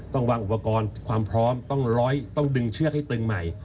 ต้องวางอุปกรณ์ความพร้อมต้องดึงเชือกให้ตึงใหม่